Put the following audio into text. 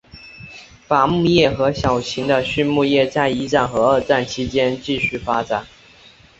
伐木业和小型的畜牧业在一战和二战期间继续发展。